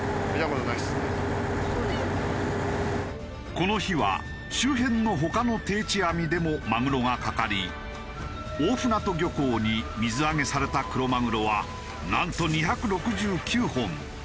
この日は周辺の他の定置網でもマグロがかかり大船渡漁港に水揚げされたクロマグロはなんと２６９本。